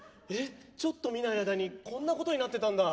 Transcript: ちょっと見ないうちにこんなことになってたんだ。